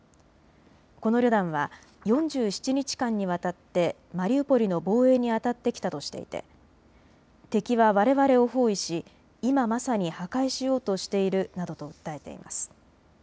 この旅団は４７日間にわたってマリウポリの防衛にあたってきたとしていて敵はわれわれを包囲し今まさに破壊しようとしているなどと訴えています。